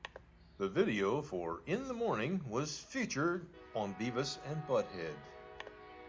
The video for "In the Morning" was featured on "Beavis and Butt-head".